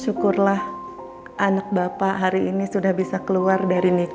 syukurlah anak bapak hari ini sudah bisa keluar dari nikah